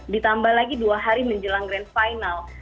ditambah lagi dua hari menjelang grand final